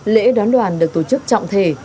lễ đón đoàn được tổ chức trọng thể